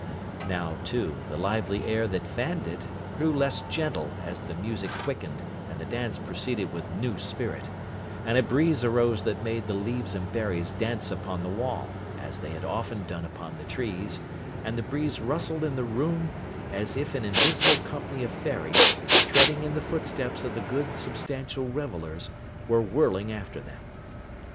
Now, too, the lively air that fanned it, grew less gentle as the music quickened and the dance proceeded with new spirit; and a breeze arose that made the leaves and berries dance upon the wall, as they had often done upon the trees; and the breeze rustled in the room as if an invisible company of fairies, treading in the foot steps of the good substantial revellers, were whirling after them.